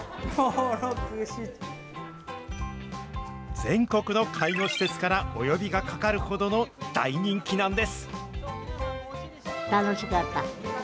全国の介護施設からお呼びがかかるほどの大人気なんです。